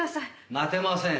待てません。